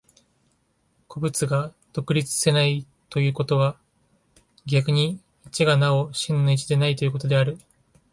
個物が独立せないということは、逆に一がなお真の一でないということである。